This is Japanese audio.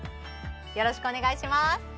よろしくお願いします